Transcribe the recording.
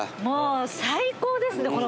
もう最高ですね